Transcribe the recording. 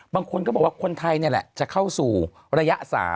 บางคนก็บอกว่าคนไทยนี่แหละจะเข้าสู่ระยะ๓